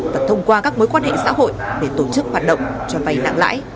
và thông qua các mối quan hệ xã hội để tổ chức hoạt động cho vay nặng lãi